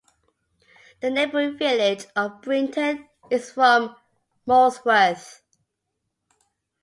The neighbouring village of Brington is from Molesworth.